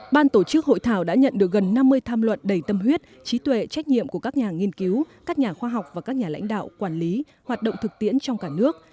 ban tổ chức hội thảo đã nhận được gần năm mươi tham luận đầy tâm huyết trí tuệ trách nhiệm của các nhà nghiên cứu các nhà khoa học và các nhà lãnh đạo quản lý hoạt động thực tiễn trong cả nước